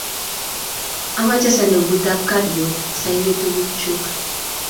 amache sandukt ab kadbod sa ibee tuguk chuk